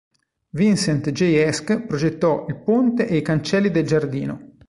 Vincent J. Esch progettò il ponte e i cancelli del giardino.